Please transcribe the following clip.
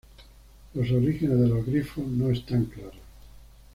Los orígenes de los Grifo no están claros.